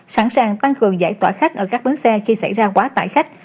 sẵn sàng tăng cường giải tỏa khách ở các bến xe khi xảy ra quá tải khách